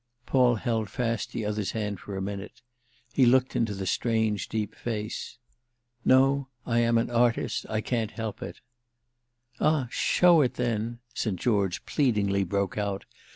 Paul held fast the other's hand a minute; he looked into the strange deep face. "No, I am an artist—I can't help it!" "Ah show it then!" St. George pleadingly broke out.